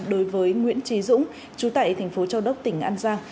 đối với nguyễn trí dũng chú tại tp châu đốc tỉnh an giang